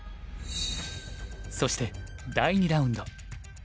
そして第２ラウンド。